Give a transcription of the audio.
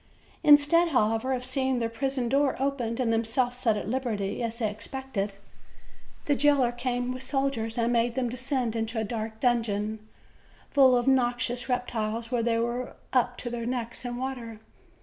Instead, however, of seeing their prison door opened and themselves set at liberty, as they expected, the jailer came with soldiers, and made them descend into a dark dungeon, full of noxious reptiles, where they were up to their necks in water.